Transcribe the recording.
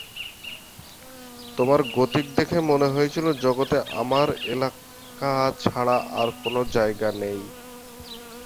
তোমার গতিক দেখে মনে হয়েছিল, জগতে আমার এলেকা ছাড়া আর-কোনো জায়গাই নেই।